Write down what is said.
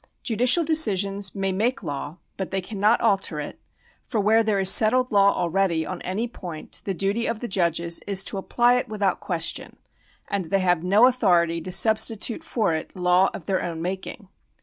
Judicial decisions may make law, but they cannot alter it, for where there is settled law already on any point the duty of the judges is to apply it without c[uestion, and they have no authority to substitute for it law of their own making.